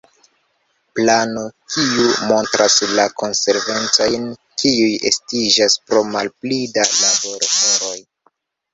Plano, kiu montras la konsekvencojn kiuj estiĝas pro malpli da laborhoroj.